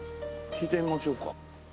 聞いてみましょうか。